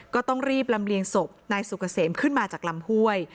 ก็ต้องรีบลำเลียงศพนายสุกเกษมขึ้นมาจากลำห้วย